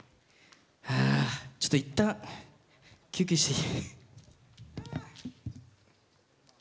ちょっといったん休憩していい。